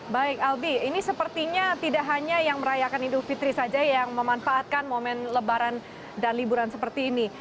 baik albi ini sepertinya tidak hanya yang merayakan idul fitri saja yang memanfaatkan momen lebaran dan liburan seperti ini